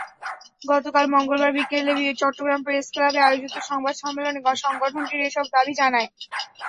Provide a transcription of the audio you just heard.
গতকাল মঙ্গলবার বিকেলে চট্টগ্রাম প্রেসক্লাবে আয়োজিত সংবাদ সম্মেলনে সংগঠনটি এসব দাবি জানায়।